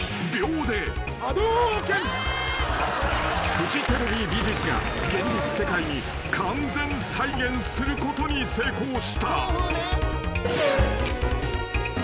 ［フジテレビ美術が現実世界に完全再現することに成功した］